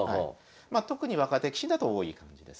特に若手棋士だと多い感じですが。